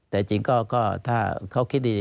แต่จริงก็ถ้าเขาคิดดี